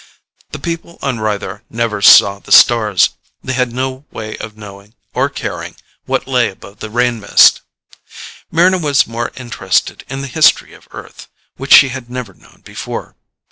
The people on Rythar never saw the stars; they had no way of knowing or caring what lay above the rain mist. Mryna was more interested in the history of Earth, which she had never known before.